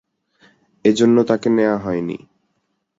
এজন্য তাকে নেয়া হয়নি।